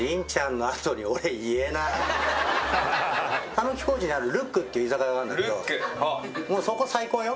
狸小路にある瑠玖っていう居酒屋があるんだけどもうそこ最高よ。